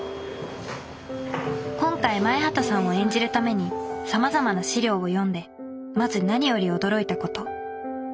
今回前畑さんを演じるためにさまざまな資料を読んでまず何より驚いたこと。